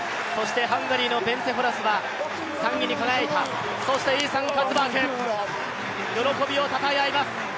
ハンガリーのベンツェ・ホラスは３位に輝いた、そしてイーサン・カツバーグ喜びをたたえ合います。